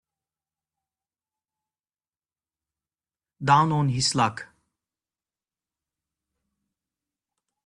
Down on his luck